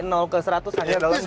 mau ke seratus hanya dua dua detik